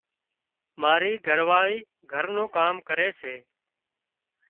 مارِي گھرواۯِي گھر نُون ڪام ڪري سي۔